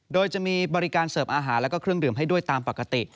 โดยจะมีบริการเสิร์ฟอาหารแล้วก็เครื่องดื่มให้ด้วยตามปกติ